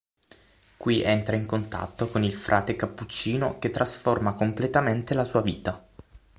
Qui entra in contatto con il frate cappuccino che trasforma completamente la sua vita.